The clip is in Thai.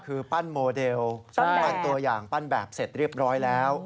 คือปั้นโมเดลปั้นตัวอย่างปั้นแบบเสร็จเรียบร้อยแล้ว